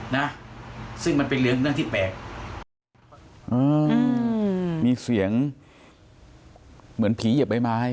นะซึ่งมันเป็นเรื่องที่แปลกอืมมีเสียงเหมือนผีเหยียบใบไม้